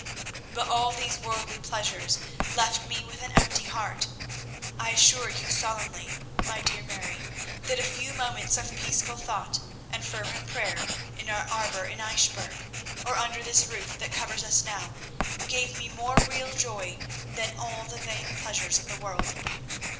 But all these worldly pleasures left me with an empty heart. I assure you solemnly, my dear Mary, that a few moments of peaceful thought and fervent prayer in our arbour in Eichbourg, or under this roof that covers us now, gave me more real joy than all the vain pleasures of the world.